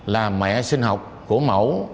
là mẹ sinh học của mẫu